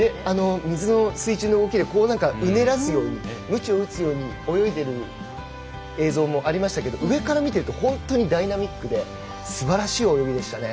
水中の動きで、うねらせるようにむちを打つように泳いでいる映像もありましたけれど上から見てると本当にダイナミックですばらしい泳ぎでしたね。